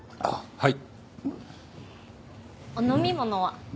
はい。